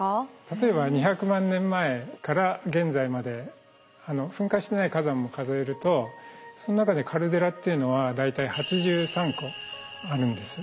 例えば２００万年前から現在まで噴火してない火山も数えるとその中でカルデラっていうのは大体８３個あるんです。